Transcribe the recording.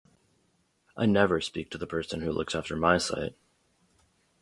I never speak to the person who looks after my site.